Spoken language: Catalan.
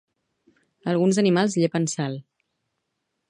Alguns animals llepen sal